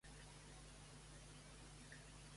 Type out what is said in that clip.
Què no li va agradar a Vadó?